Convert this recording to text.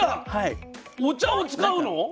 お茶を使うの？